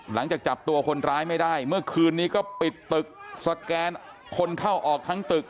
หลังจากจับตัวคนร้ายไม่ได้เมื่อคืนนี้ก็ปิดตึกสแกนคนเข้าออกทั้งตึก